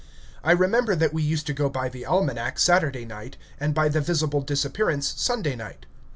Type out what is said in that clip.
I remember that we used to go by the almanac Saturday night and by the visible disappearance Sunday night.